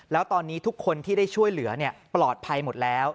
แล้วตอนนี้ทุกคนที่ได้ช่วยเหลือปลอดภัยหมดแล้ว